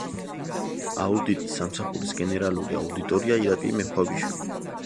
აუდიტის სამსახურის გენერალური აუდიტორია ირაკლი მექვაბიშვილი.